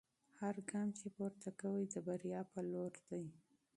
هر ګام چې پورته کوئ د بریا په لور دی.